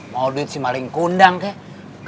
mau di si maling kundang kek